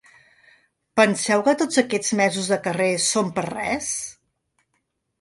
Penseu que tots aquests mesos de carrer són per res?